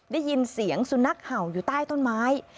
ได้ยินเสียงสุนัขเห่าอยู่ใต้ต้นไม้